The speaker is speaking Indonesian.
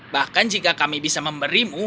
bahkan jika kami bisa memberimu